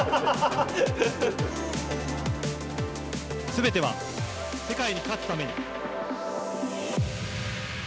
すべては世界に勝つために。